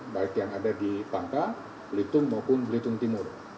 baik yang ada di bangka belitur maupun belitur timur